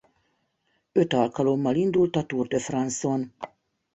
Öt alkalommal indult a Tour de France-on.